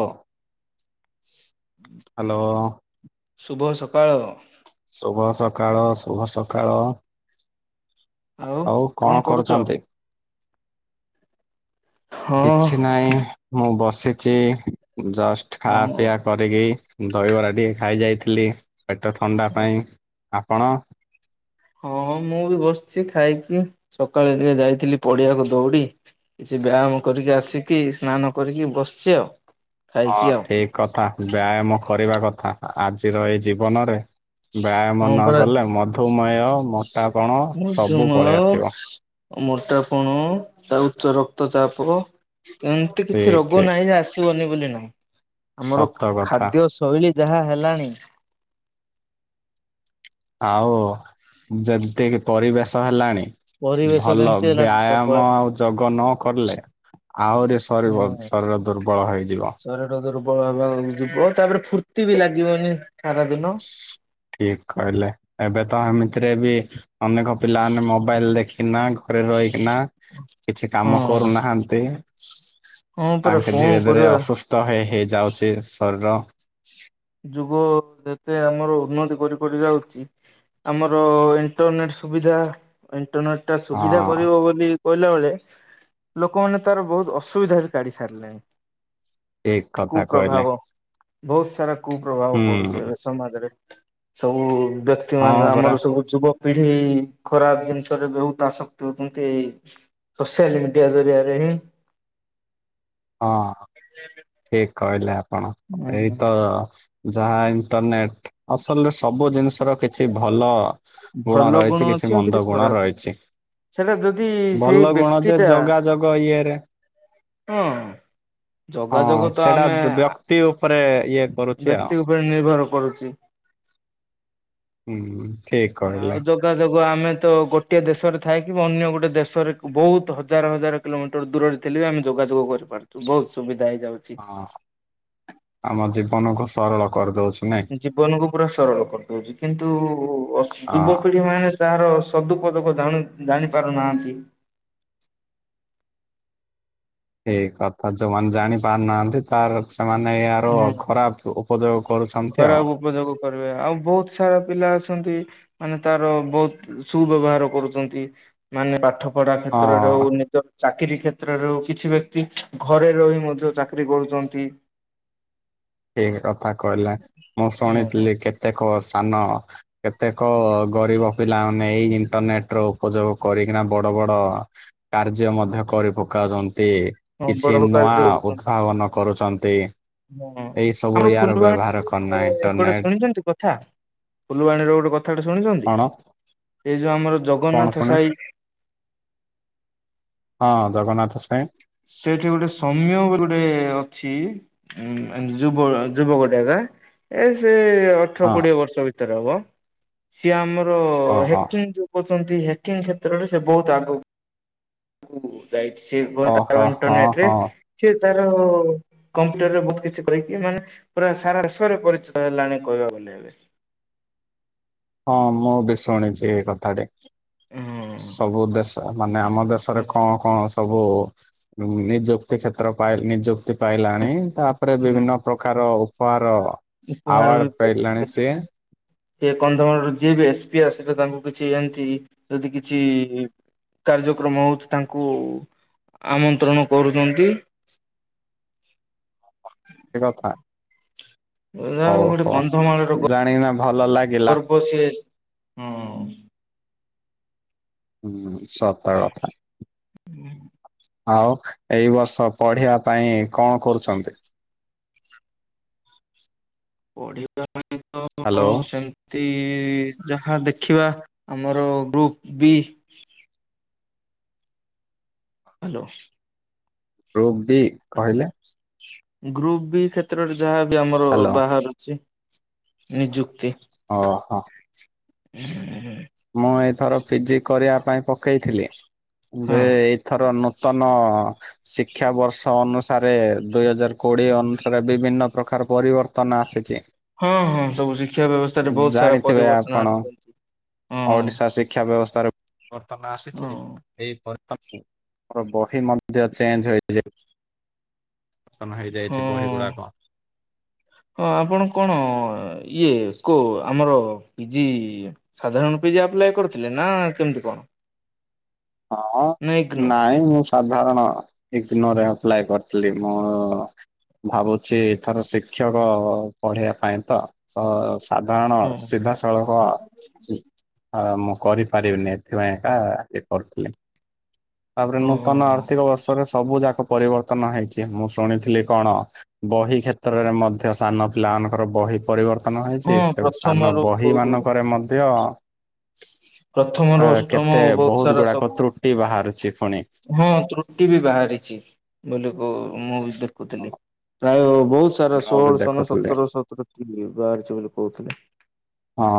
ଓ hello. ଶୁଭ ସକାଳ। ଶୁଭ ସକାଳ ଶୁଭ ସକାଳ। ଆଉ କଣ କରୁଚନ୍ତି? ହଁ କିଛି ନାହିଁ, ମୁଁ ବସିଚି ଜଷ୍ଟ ହଁ ଖାଆପିଆ କରିକି। ଦହିବରା ଟିକେ ଖାଇ ଯାଇଥିଲି ପେଟ ଥଣ୍ଡା ପାଇଁ। ଆପଣ? ହଁ ମୁଁ ବି ବସିଛି ଖାଇକି। ସକାଳେ ଟିକେ ଯାଇଥିଲି ପଡିଆକୁ ଦୌଡି ସିଟି ବ୍ୟାୟାମ କରିକି ଆସିକି ସ୍ନାନ କରିକି ବସିଛି ଆଉ। ହଁ ଖାଇକି ଆଉ ଠିକ କଥା। ବ୍ୟାୟାମ କରିବା କଥା। ଆଜିର ଏଇ ଜୀବନରେ ବ୍ୟାୟାମ ହଁ ନ ପରା କଲେ ମଧୁମେହ, ମୋଟାପଣ ସବୁ ମଧୁମେହ ପଳେଇଆସିବ। ମୋଟାପଣ ତା ଉଚ୍ଚ ରକ୍ତଚାପ, ଏମିତି କିଛି ଠିକ ରୋଗ ଠିକ ନାହିଁ ଯେ ଆସି ଆସିବନି ବୋଲି ନୁହଁ। ଆମର ସତ କଥା ଖାଦ୍ୟ ଶୈଳୀ ଯାହା ହେଲାଣି ଆଉ ଯେମତିକି ପରିବେଶ ହେଲାଣି ପରିବେଶ ଭଲ ଯେମିତି ହେଲାଣି ବ୍ୟାୟାମ ସବୁଆଡେ ଆଉ ଯୋଗ ନ କଲେ ଆହୁରି ଶରୀବ ହୁଁ ଶରୀର ଦୁର୍ବଳ ହେଇଯିବ। ବ ଲ ଯିବ ତାପରେ ଫୁର୍ତ୍ତି ବି ଲାଗିବନି। ସାରା ଦିନ ଠିକ କହିଲେ। ଏବେ ତ ଏମିତିରେ ବି ଅନେକ ପିଲାମାନେ ମୋବାଇଲ ଦେଖି କିନା ଘରେ ରହିକିନା କିଛି ହଁ କାମ କରୁନାହାଁନ୍ତି ହଁ ପରା ତାଙ୍କେ କଣ ଧୀରେ ଧୀରେ କରିବା ଅସୁସ୍ଥ ହେଇ ହେଇଯାଉଛି ଶରୀର। ଯୁଗ ଯେତେ ଆମର ଉନ୍ନତି କରି କରି ଯାଉଛି, ଆମର ଇଣ୍ଟରନେଟ ସୁବିଧା, ଇଣ୍ଟରନେଟ ଟା ସୁବିଧା ହଁ। କରିବ ବୋଲି କହିଲା ବେଳେ, ଲୋକମାନେ ତାର ବହୁତ ଅସୁବିଧା ବି କାଢି ସାରିଲେଣି। ଠିକ କଥା କୁପ୍ରଭାବ କହିଲେ। ବହୁତ ସାରା କୁପ୍ରଭାବ ହୁଁ ପଡୁଛି ଏବେ ସମାଜରେ ସବୁ ହଁ ବ୍ୟକ୍ତିମାନେ ପରା ଆମର ସବୁ ଯୁବକ ପିଢି ଖରାପ ଜିନିଷରେ ବହୁତ ଆସକ୍ତି ହଉଛନ୍ତି ଏଇ ସୋସିଆଲ ମିଡିଆ ଜରିଆରେ ହିଁ ହଁ ଠିକ୍ କହିଲେ ଆପଣ। ଏଇ ହୁଁ ତ ଯାହା ଇଣ୍ଟରନେଟ, ଅସଲରେ ସବୁ ଜିନିଷର କିଛି ଭଲ ଗୁଣ ଭଲ ରହିଛି କିଛି ଅଛି ଆଉ ମନ୍ଦ ଗୁଣ ଖରାପ ଅଛି। ରହିଛି। ସେଟା ଯଦି ସେଇ ଭଲ ଗୁଣ ବ୍ୟକ୍ତି ଯେ ଟା ଜଗା ଜଗ ଇଏରେ ହଁ। ହଁ ଯୋଗାଯୋଗ ତ ସେଇଟା ଆମେ ଯ- ବ୍ୟକ୍ତି ଉପରେ ଇଏ କରୁଛି ଆଉ ବ୍ୟକ୍ତି ଉପରେ ନିର୍ଭର କରୁଛି। ହୁଁ ଠିକ୍ ଆଉ କହିଲେ। ଯୋଗାଯୋଗ ଆମେ ତ ଗୋଟିଏ ଦେଶରେ ଥାଏ କି ଅନ୍ୟ ଗୋଟେ ଦେଶରେ ବହୁତ ହଜାର ହଜାର କିଲୋମିଟର ଦୂରରେ ଥିଲେ। [unintelligible] ଯୋଗାଯୋଗ କରିପାରୁଥିବ କି ନାହିଁ। ହଁ ଆମ ଜୀବନକୁୁ ସରଳ କରିଦଉଛି। ନାଇଁ ଜୀବନକୁୁ ପୁରା ସରଳ କରିଦଉଛି କିନ୍ତୁ ହଁ ଯୁବପିଢି ମାନେ ଯାହାର ସଦୁପଦକ ଜାଣି ପାରୁନାହାନ୍ତି। ଏଇ କଥା ଯୋଉମାନେ ଜାଣି ପାରୁନାହାନ୍ତି ତାର ସେମାନେ ଏ ଆର ହୁଁ ଖରାପ ଉପଯୋଗ କରୁଛନ୍ତି ଆଉ। ଖରାପ ଉପଯୋଗ କରିବେ ଆଉ ବହୁତ ପିଲା ଅଛନ୍ତି ମାନେ ତାର ବହୁତ ସୁବ୍ୟବହାର କରୁଛନ୍ତି ମାନେ ପାଠ ପଢ଼ା କ୍ଷେତ୍ରରେ ହଁ ହଉ ନିଜ ଚାକିରୀ କ୍ଷେତ୍ରରେ କିଛି ବ୍ୟକ୍ତି ଘରେ ରହି ମଧ୍ୟ ଚାକିରୀ କରୁଛନ୍ତି। ଠିକ କଥା କହିଲେ ମୁଁ ଶୁଣିଥିଲି କେତେକ ସାନ କେତେକ ଗରିବ ପିଲାମାନେ ଏଇ ଇଣ୍ଟରନେଟ ର ଉପଯୋଗ କରିକିନା ବଡ ବଡ କାର୍ଯ୍ୟ ମଧ୍ୟ କରି ପକାଉଛନ୍ତି ହଁ ବଡ କିଛି ନୂଆ କାର୍ଯ୍ୟ କରୁଛନ୍ତି। ଉଦ୍ଭାବନ କରୁ ଅଛନ୍ତି। ହଁ ଆମର କରନା ଫୁଲବାଣୀରେ ଗୋଟେ ଇଣ୍ଟରନେଟ ଶୁଣିଛନ୍ତି କଥା ଫୁଲବାଣୀର ଗୋଟେ କଥାଟା ଶୁଣିଛନ୍ତି କଣ ଏଇ ଯୋଉ ଆମର କଣ ଜଗନ୍ନାଥ ପୁଣି ସାହି ହଁ। ଜଗନ୍ନାଥ ସ୍ୱାଇଁ ସେଠି ଗୋଟେ ସୌମ୍ୟ ବୋଲି ଗୋଟେ ଅଛି। ଯୁବ ଯୁବକଟା ଏକା ଏ ସେ ଅଠର ହଁ କୋଡିଏ ବର୍ଷ ଭିତରେ ହବ ସିଏ ଆମର ହେ ଓହୋ ଯୋଉ କୁନ୍ତୀ ହେ କେ କ୍ଷେତ୍ରରେ ସେ ବହୁତ ଆଗକୁ ଯାଇଛି। ସେଏ ଗ ଓହୋ ହଁ ଇଣ୍ଟରନେଟ ରେ ହଁ ସେ ତାର କମ୍ପ୍ୟୁଟରରେ ବହୁତ କିଛି କହିକି ମାନେ ପୁରା ସାରା ବିରେ ପରିଚୟ ହେଲାଣି କହିବାକୁ ଏ ହଁ ମୁଁ ବି ଶୁଣିଛି ଏଇ କଥାଟି। ହୁଁ ସବୁ ଦେଶ ମାନେ ଆମ ଦେଶରେ କଣ ହୁଁ କଣ ସବୁ ନିଯୁକ୍ତି କ୍ଷେତ୍ର ନିଯୁକ୍ତି ପାଇଲାଣି ତାପରେ ବିଭିନ୍ନ ପ୍ରକାର ଉପହାର ବି ଆୱାର୍ଡ ପ୍ରାପ୍ତ ପାଇଲାଣି ସେ। କଲେଣି। ସେ କନ୍ଧମାଳରୁ ଯିଏ ବି ଏସ୍ ପି ଆସିବ ତାଙ୍କୁ କିଛି ଏମିତି ଯଦି କିଛି କାର୍ଯ୍ୟକ୍ରମ ହଉଛି ତାଙ୍କୁ ଆମନ୍ତ୍ରଣ କରୁଛନ୍ତି। ସେ କଥା ଯାହା ହଉ ଗୋଟେ କନ୍ଧମାଳ ର ଜାଣିକିନା ଭଲ ଲାଗିଲା। ଗର୍ବ ସିଏ। ହଁ। ହୁଁ ସତ କଥା। ଆଉ ଏଇ ବର୍ଷ ପଢିବା ପାଇଁ କଣ କରୁଛନ୍ତି? ପଢିବା ପାଇଁ ତ ହ୍ୟାଲୋ ସେମ ଯାହା ଦେଖିବା ଆମର group B hello. Group D କହିଲେ? ଗ୍ରୁପ ବି କ୍ଷେତ୍ରରେ ଯାହା ବି ଆମର ହ୍ୟାଲୋ ବାହାରୁ ଅଛି ନିଯୁକ୍ତି। ଓହୋ। ହଁ। ମୁଁ ଏଇଥର ପିଜି କରିବା ପାଇଁ ପକେଇଥିଲି ହଁ ଯେ ଏଇଥର ନୂତନ ଶିକ୍ଷା ବର୍ଷ ଅନୁସାରେ ଦୁଇ ହଜାର କୋଡିଏ ଅନୁସାରେ ବିଭିନ୍ନ ପ୍ରକାର ପରିବର୍ତ୍ତନ ଆସେ। ହଁ ହଁ ସବୁ ଶିକ୍ଷା ବ୍ୟବସ୍ଥାରେ ବହୁତ ସାରା ଜାଣିଥିବେ ପରିବର୍ତ୍ତନ ଆପଣ ଆଣିଚନ୍ତି। ଓଡିଶା ଶିକ୍ଷା ବ୍ୟବସ୍ଥାରେ ବର୍ତ୍ତନ ରୁ ହଁ ଆସିଛି ଏପରି ମ ବହିି ମଧ୍ୟ ଚେଞ୍ଜ ହୋଇଯିବ। ତନ ହଁ ହେଇଯାଇଚି ବହି ଗୁଡାକ। ହଁ ଆପଣ କଣ ଇଏ କଉ ଆମର ପିଜି ସାଧାରଣ କରିଥିଲେ ନା କେମତି କଣ? ହଁ ନା ଇଗ୍ନୋ ନାଇଁ ମୁଁ ସାଧାରଣ ଇଗ୍ନୋ ରେ ଆପ୍ଲାଏ କରି ଚୁଲି ମୁଁ ଭାବୁଛି ଥର ଶିକ୍ଷକ ପଢ଼େଇବା ପାଇଁ ତ ସାଧାରଣ ହଁ ସିଧାସଳଖ ଆ କରିପାରିବିନି ଏଥିପାଇଁ ଏକ ଇଏ କରୁଥିଲି। ତାପରେ ହଁ ନୂତନ ହଁ ଆର୍ଥିକ ବର୍ଷରେ ସବୁ ଯାକ ପରିବର୍ତ୍ତନ ହେଇଛି ମୁଁ ଶୁଣିଥିଲି କଣ ବହି କ୍ଷେତ୍ରରେ ମଧ୍ୟ ସାନ ପିଲାମାନଙ୍କର ବହି ପରିବର୍ତ୍ତନ ହେଇଚି ହଁ ସେ ସାନ ପ୍ରଥମରୁ ବହିମାନଙ୍କରେ ମଧ୍ୟ ମଧ୍ଯ ପ୍ରଥମରୁ ଅ ଅଷ୍ଟମ କେତେ ବହୁତ ସାରା ଗୁଡାକ ସବୁ ତ୍ରୁଟି ବାହାରୁଚି ହଁ ତ୍ରୁଟି ବି ବାହାରିଚି ବୋଲିକୁ ମୁଁ ବି ଦେଖୁଥିଲି ପ୍ରାୟ ବହୁତ ସାରା ମୁଁ ବି ଷୋହଳ ଶନ ଦେଖୁଥିଲି ସତର ସତର ବାହାରିଚି ବୋଲି କହୁଥିଲେ। ହଁ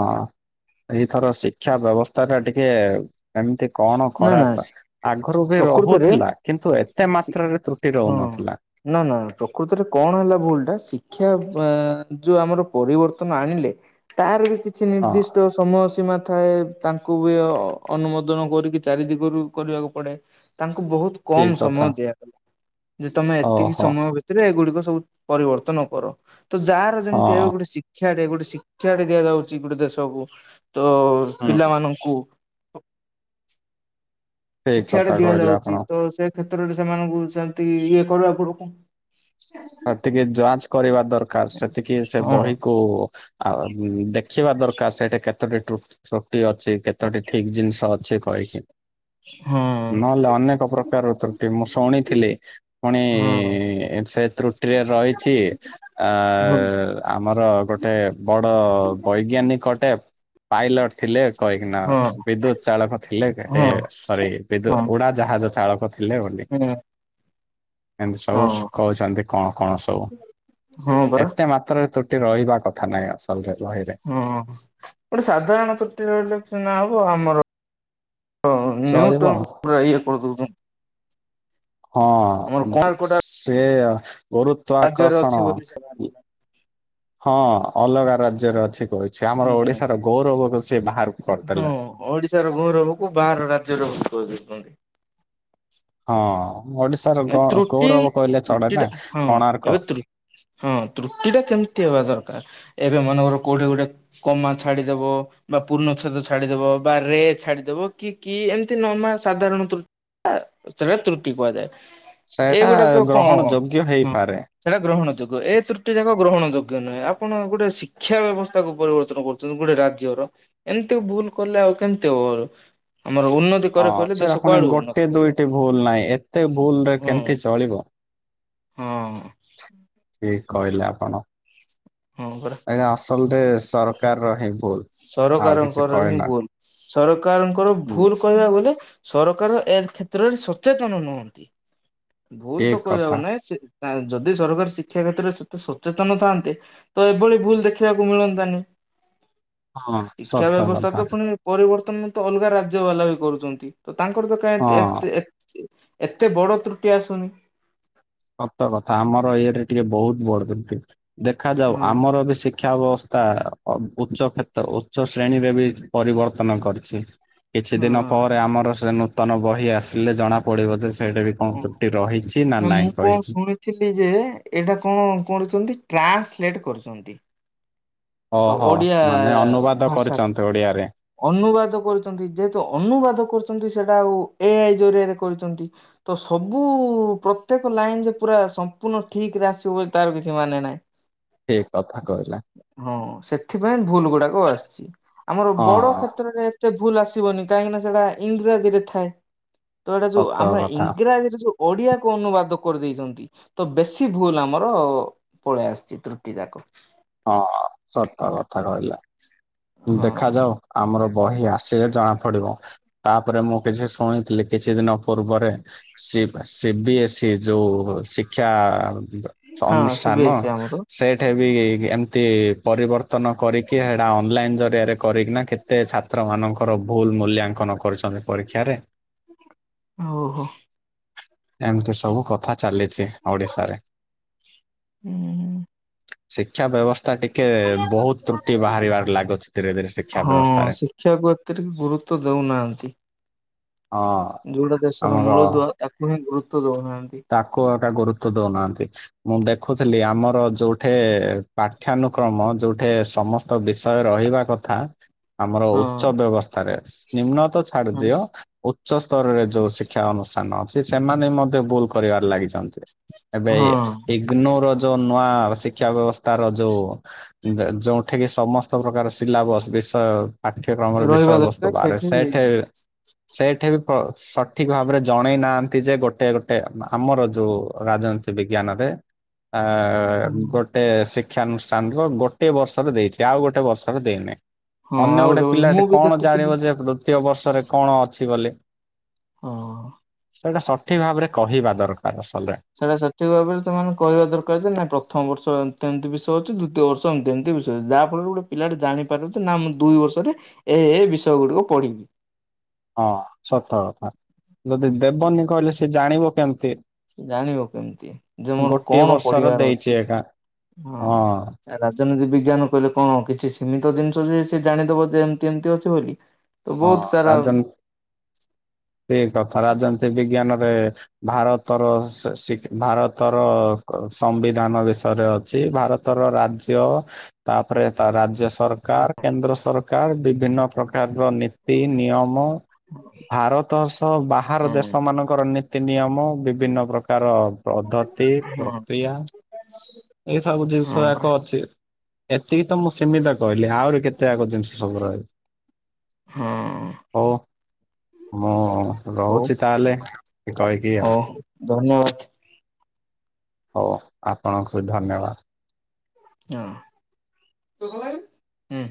ଏଇଥର ଶିକ୍ଷା ବ୍ୟବସ୍ଥା ଟା ଟିକେ ଏମିତି କଣ ନା ନା ଖରାପ ଆଗରୁ ବି ପ୍ରକୃତରେ ରହୁଥିଲା କିନ୍ତୁ ଏତେ ମାତ୍ରାରେ ତ୍ରୁଟି ହଁ ରୋହୁନଥିଲା। ନା ନା ପ୍ରକୃତରେ କଣ ହେଲା ଭୁଲ ଶିକ୍ଷା ଯୋଉ ଆମର ପରିବର୍ତ୍ତନ ଆଣିଲେ ତାର ବି କିଛି ହଁ ନିର୍ଦ୍ଦିଷ୍ଟ ସମୟ ସୀମା ଥାଏ ତାଙ୍କୁ ବି ଅନୁମତି କରିକି ଚାରି ଦିଗରୁ କରିବାକୁ ପଡେ ତାଙ୍କ ବହୁତ କମ ଠିକ କଥା ସମୟ ଦିଆଗଲା ଯେ ତମେ ଏତିକି ଓହୋ ସମୟ ଭିତରେ ଏଗୁଡିକ ସବୁ ପରିବର୍ତ୍ତନ କର ତ ଯାହାର ଯେମିତି ଏ ହଁ ଗୋଟେ ଶିକ୍ଷାେ ଗୋଟେ ଶିକ୍ଷା ଦିଆଯାଉଚି ଗୋଟେ ଦେଶକୁ ତ ହୁଁ ପିଲାମାନଙ୍କୁ ଠିକ ଶିକ୍ଷା ଟା କଥା କହିଲେ ଦିଆଯାଉଚି ଆପଣ। ତ ସେ କ୍ଷେତ୍ରରେ ସେମାନଙ୍କୁ ସେମିତି ଇଏ କରିବା ପଡ ସେତିକି ଯାଞ୍ଚ କରିବା ଦରକାର ସେତିକି ସେ ହଁ ବହିକୁ ଆଉ ଦେଖିବା ଦରକାର ସେଠି କେତୋଟି ଅଛି କେତୋଟି ଠିକ ଜିନିଷ ଅଛି କହିକି ହଁ ନହେଲେ ଅନେକ ପ୍ରକାରର ତ୍ରୁଟି ମୁଁ ଶୁଣିଥିଲି ପୁଣି ହଁ ସେ ତ୍ରୁଟିରେ ରହିଛି ଆ ହଁ ଆମର ଗୋଟେ ବଡ ବୈଜ୍ଞାନିକଟେ ପାଇଲଟ ଥିଲେ କହିକି ନା ହଁ ବିଦ୍ୟୁତ ଚାଳକ ଥିଲେ ଏ ହଁ ସରି ବିଦ୍ୟୁ ହଁ ଉଡା ଜାହାଜ ଚାଳକ ଥିଲେ ବୋଲି। ଏମତି ସବୁ ହଁ କହୁଚନ୍ତି କଣ କଣ ସବୁ ହଁ ପରା ଏତେ ମାତ୍ର ତ୍ରୁଟି ରହିବା କଥା ନ ନାହିଁ ଅସଲରେ ବହିରେ ହଁ ଗୋଟେ ସାଧାରଣ ତ୍ରୁଟି ରହିଲେ କିନା ହବ ଆମର ଓ ଚଳିବ। ନ୍ୟୁଟ୍ରନ୍ କୁ ପୁରା ଇଏ କରିଦୋଉଚନ୍ତି ହଁ କୋଣାର୍କଟା ସେ ଗୁରୁତ୍ବ ରାଜ୍ୟରେ ଅଛି ଆକର୍ଷଣ ବୋଲି ସେ ବାହାରିଥିଲା। ହଁ ଅଲଗା ରାଜ୍ୟରେ ଅଛି। କହିଛି ହଁ ଆମର ଓଡିଶାର ଗୌରବକୁ ସିଏ ବାହାରକୁ କରିଦେଲା। ହଁ ଓଡିଶାର ଗୌରବ କୁ ବାହାର ରାଜ୍ୟରେ [inaudible] ହଁ। ଓଡିଶାର ଗ ତ୍ରୁଟି ଗୌରବ କହିଲେ ଚଳେ ତ୍ରୁଟି ନା ଟା ହଁ କୋଣାର୍କ। ଏବେ ହଁ ତ୍ରୁଟି ଟା କେମିତି ହବ? ଦରକାର। ଏବେ ମନଙ୍କର କୋଉଠି ଗୋଟେ କମା ଛାଡିଦବ ବା ପୂର୍ଣ୍ଣଛେଦ ଛାଡିଦବ ବା ରେ ଛାଡିଦବ ହ କି କି ଏମିତି ନମ ସାଧାରଣ ତ୍ରୁଟିରେ ତ୍ରୁଟି କୁହାଯାଏ। ସେଇଟା ଏଇଗୁଡାକ ଗ୍ରହଣ ଯୋଗ୍ୟ ହେଇପାରେ। କଣ କଣ ହଁ ସେଇଟା ଗ୍ରହଣ ଯୁଗ ଏ ତ୍ରୁଟି ଯାକ ଗ୍ରହଣ ଯୁଗ ନୁହେଁ ଆପଣ ଗୋଟେ ଶିକ୍ଷା ବ୍ୟବସ୍ଥା କୁ ପରିବର୍ତ୍ତନ କରୁଛନ୍ତି ଗୋଟେ ରାଜ୍ୟର ଏମିତି ଭୁଲ କଲେ କେମିତି ହବ? ଆମର ଉନ୍ନତି ହଁ କରେ କହିଲେ ଦେଶ ସେଟା ପୁଣି କୁଆଡୁ ଗୋଟେ ଉନ୍ନତି କରିବ। ଦୁଇଟି ଭୁଲ ନାହିଁ ଏତେ ଭୁଲ ରେ କେମତି ହୁଁ ଚଳିବ? ହଁ। ଠିକ କହିଲେ ଆପଣ। ହଁ ପରା ଏ ଆସଲରେ ସରକାର ର ହିଁ ଭୁଲ ଆଉ କିଛି ସରକାରଙ୍କର ହିଁ କହେ ନା ଭୁଲ। ସରକାରଙ୍କର ଭୁଲ କହିବାକୁ ଗଲେ ସରକାର ଏ କ୍ଷେତ୍ରରେ ସଚେତନ ନୁହନ୍ତି ଭୁଲ ତ ଠିକ କଉ କଥା ନାହିଁ ସେ ଯଦି ସରକାର ଶିକ୍ଷା କ୍ଷେତ୍ରରେ ସେତେ ସଚେତନ ଥାଆନ୍ତେ ତ ଏଭଳି ଭୁଲ ଦେଖିବାକୁ ମିଳନ୍ତାନି ହଁ ଶିକ୍ଷା ସତ ବ୍ୟବସ୍ଥା କଥା ତ ପୁଣି ପରି ବତ୍ମ ତ ଅଲଗା ରାଜ୍ୟ ବାଲା ବି କରୁଛନ୍ତି ତ ତାଙ୍କର ତ ହଁ। କାଁ ଏତେ ବଡ଼ ତ୍ରୁଟି ଆସୁନି। ସତ କଥା ଆମର ଇଏରେ ଟିକେ ବହୁତ ବଡ ଟେ ଦେଖାଯାଉ ହଁ ଆମର ବି ଶିକ୍ଷା ବ୍ୟବସ୍ଥା ତା ଉଚ୍ଚ କ୍ଷେତ୍ର ଉଚ୍ଚ ଶ୍ରେଣୀରେ ବି ପରିବର୍ତ୍ତନ କରିଛି। କିଛି ଦିନ ପରେ ଆମର ସେ ନୂତନ ବହି ଆସିଲେ ଜଣା ପଡିବ ଯେ ସେଇଟା ବି କଣ ତ୍ରୁଟି ରହିଛି ନା ନାହିଁ। ମୁ କଣ ଶୁଣିଥିଲି ଯେ ଏଇଟା କଣ କଛନ୍ତି ଟ୍ରାନ୍ସଲେଟ କରୁଛନ୍ତି। ତ ଓହୋ ଓଡ଼ିଆ ମାନେ ଅନୁବାଦ ଭାଷା କରିଛନ୍ତି ଓଡିଆରେ। ଅନୁବାଦ କରୁଛନ୍ତି ଯେହେତୁ ଅନୁବାଦ କରୁଛନ୍ତି ସେଇଟା ଆଉ ଏ ଆଇ ଜରିଆରେ କରିଛନ୍ତି ତ ସବୁ ପ୍ରତ୍ୟେକ ଲାଇନ ଯେ ପୁରା ସମ୍ପୂର୍ଣ୍ଣ ଠିକ ଏଥିରେ ଆସିବ ବୋଲି ତାର କିଛି ମାନେ ନାହିଁ। କଥା କହିଲ। ହଁ ସେଥିପାଇଁ ଭୁଲ ଗୁଡାକ ଆସିଛି ଆମର ହଁ ବଡ କ୍ଷେତ୍ରରେ ଏତେ। ଭୁଲ ଆସିବନି କାହିଁକି ନା ସେଟା ଇଂରାଜୀ ରେ ଥାଏ। ତ ଏଇଟା ଯୋଉ ସତ ଆମେ କଥା ଇଂରାଜୀରେ ଯୋଉ ଓଡିଆକୁ ଅନୁବାଦ କରିଦେଇଛନ୍ତି ତ ବେଶୀ ଭୁଲ ଆମର ପଳେଇ ଆସିଛି ତ୍ରୁଟି ଯାକ। ହଁ ସତ କଥା କହିଲ। ହଁ। ଦେଖାଯାଉ ଆମ ବହି ଆସିଲେ ଜଣା ପଡିବ ତାପରେ ମୁଁ କିଛି ଶୁଣିଥିଲି କିଛି ଦିନ ପୂର୍ବରେ ଡିବା ସି ବି ଏସ୍ ଇ ଯେଉଁ ଶିକ୍ଷା ହଁ ସି ବି ଅନୁଷ୍ଠାନ ଏସ୍ ସି ଆମର ସେଠି ବି ଏମିତି ପରିବର୍ତ୍ତନ କରିକି ହେଡା ଅନଲାଇନ୍ ଜରିଆରେ କରିକିନା କେତେ ଛାତ୍ରମାନଙ୍କର ଭୁଲ୍ ମୂଲ୍ୟାଙ୍କନ କରୁଛନ୍ତି। ପରୀକ୍ଷାରେ ଓହୋ। ଏମିତି ସବୁ କଥା ଚାଲିଛି ଓଡିଶାରେ ହୁଁ ହୁଁ। ଶିକ୍ଷା ବ୍ୟବସ୍ଥା ଟିକେ ବହୁତ ତ୍ରୁଟି ବାହାରିବ ହଁ ଶିକ୍ଷାକୁ ଏତେ ଟିକେ ଗୁରୁତ୍ୱ ଦଉନାହାନ୍ତି। ହଁ ଯୋଉଟା ଦେଶ ସରା ଆମର ମୂଳଦୁଆ ତାକୁ ହିଁ ଗୁରୁତ୍ୱ ଦେଉନାହାନ୍ତି। ତାକୁ ଏଟା ଗୁରୁତ୍ୱ ଦଉନାହାନ୍ତି ମୁଁ ଦେଖୁଥିଲି ଆମର ଯେଉଠି ପାଠ୍ୟାନୁକ୍ରମ ଯେଉଠି ସମସ୍ତ ବିଷୟ ରହିବା କଥା ଥା ଆମର ହଁ ଉଚ୍ଚ ବ୍ୟବସ୍ଥାରେ ନିମ୍ନତ ଛାଡ଼ି ଦିଅ ଉଚ୍ଚସ୍ତରରେ ଯୋଉ ଶିକ୍ଷା ଅନୁଷ୍ଠାନ ଅଛି ସେମାନେ ମଧ୍ୟ ଭୁଲ କରିବାରେ ଲାଗିଛନ୍ତି। ଏବେ ହଁ। ଇଗ୍ନୋର ଯୋଉ ନୂଆ ଶିକ୍ଷା ବ୍ୟବସ୍ଥା ର ଯୋଉ ଯୋଉଠି କି ସମସ୍ତ ପ୍ରକାର ସିଲାବସ ବିଷୟ ପାଠ୍ୟକ୍ରମର ରହିବା ବିଷୟବସ୍ତୁ ଦରକାର ବାହାରେ ସେଇଠି ସେଠେ ସେଠି ବି ସଠିକ ଭାବରେ ଜଣେଇ ନାହାନ୍ତି ଯେ ଗୋଟେ ଗୋଟେ ନା ଆମର ଯୋଉ ରାଜନୀତି ବିଜ୍ଞାନ ରେ ଆ ଗୋଟେ ଶି ଶିକ୍ଷାନୁଷ୍ଠାନର ଗୋଟେ ବର୍ଷରେ ଦେଇଛି ଆଉ ଗୋଟେ ବର୍ଷରେ ଦେଇନାହିଁ। ହଁ ଅନ୍ୟ ଆଉ ଗୋଟେ ମୁଁ ପିଲାଟି ବି କଣ ଦେଖୁଥିଲି ଜାଣିବ ଯେ ତୃତୀୟ ବର୍ଷରେ କଣ ଅଛି ବୋଲି? ହଁ। ସେଇଟା ସଠିକ୍ ଭାବରେ କହିବା ଦରକାର। ଅସଲରେ ସେଇଟା ସଠିକ ଭାବରେ ସେମାନେ କହିବା ଦରକାର ଯେ ନାଇଁ ପ୍ରଥମ ବର୍ଷ ଏମିତି ଏମିତି ବିଷୟ ଅଛି ଦ୍ଵି ତୀୟ ବର୍ଷ ଏମିତି ଏମିତି ବିଷୟ ଯାହା ଫଳରେ ଗୋଟେ ପିଲାଟେ ଜାଣିପାରିବ ଯେ ନା ମୁଁ ଦୁଇ ବର୍ଷରେ ଏ ବିଷୟ ଗୁଡିକୁ ପ ପଢ଼ିବି। ହଁ ସତ କଥା ଯଦି ଦେବନି କହିଲେ ସେ ଜାଣିବ କେମିତି। ସେ ଜାଣିବ କେମିତି ଯେ ମୋର ଗୋଟିଏ କଣ ବର୍ଷର ପଢ଼ିବାର ଦେଇଛି ଅଛି। ଏକା ହଁ ଏରା ଯେମିତି ବିଜ୍ଞାନ କହିଲେ କଣ କିଛି ସୀମିତ ଜିନିଷ ଯେ ସେ ଜାଣିଦବ ଯେ ଏମିତି ଏମିତି ଅଛି ବୋଲି। ତ ହଁ ବହୁତ ସାରା ରାଜନ। ଠିକ୍ କଥା ରାଜନୀତି ବିଜ୍ଞାନ ରେ। ଭାରତର ସ ଶିଖ ଭାରତର କ ସମ୍ବିଧାନ ବିଷୟରେ ଅଛି ଭାରତ ର ରାଜ୍ୟ ତାପରେ ତା ରାଜ୍ୟ ସ ରକାର କେନ୍ଦ୍ର ସରକାର ବିଭିନ୍ନ ପ୍ରକାର। ର ନୀତି ନିୟମ ଭାରତ ସହ ବାହାର ହଁ। ଦେଶ ମାନଙ୍କର। ନୀତି ନିୟମ ବିଭିନ୍ନ ପ୍ରକାର ପଦ୍ଧତି ହଁ ପ୍ରକ୍ରିୟା। ଏଇ ସବୁ ଜିନିଷ ହଁ ପରା ଯାକ ଅଛି ଏତିକି ତ ମୁଁ ସୀମିତ କହିଲି ଆହୁରି କେତେ ଆଗକୁ ଜିନିଷ ସବୁ ରହିବ। ହଁ। ମୁଁ ହଉ ରହୁଛି ତାହେଲେ କହିକି ଆଉ। ହଉ ଧନ୍ୟବାଦ। ହଉ ଆପଣଙ୍କୁ ବି ଧନ୍ୟବାଦ। ହଁ ହୁଁ।